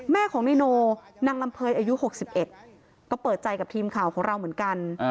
แม่ของนายโนนางลำเภยอายุ๖๑ก็เปิดใจกับทีมข่าวของเราเหมือนกัน